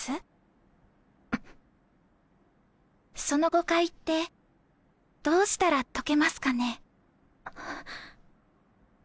その誤解ってどうしたら解けますかね？